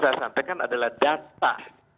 saya sampaikan adalah data